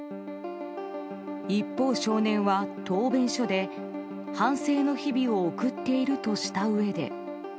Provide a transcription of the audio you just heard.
一方、少年は答弁書で反省の日々を送っているとしたうえで。